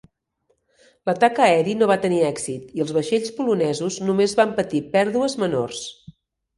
L'atac aeri no va tenir èxit i els vaixells polonesos només van patir pèrdues menors.